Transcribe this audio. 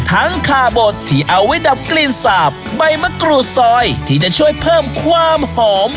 คาบดที่เอาไว้ดับกลิ่นสาบใบมะกรูดซอยที่จะช่วยเพิ่มความหอม